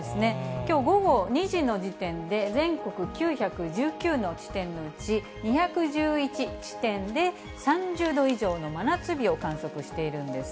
きょう午後２時の時点で、全国９１９の地点のうち２１１地点で３０度以上の真夏日を観測しているんです。